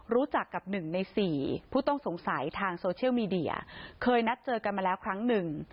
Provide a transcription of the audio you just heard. รู้จักกับหนึ่งในสี่ผู้ต้องสงสัยทางโซเชียลมีเดียเคยนัดเจอกันมาแล้วครั้งหนึ่ง